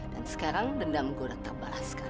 dan sekarang dendam gue udah terbalaskan